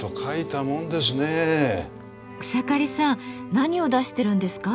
草刈さん何を出してるんですか？